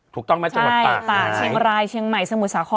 ถูกต้องไหมจังหวัดตาก